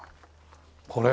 これ。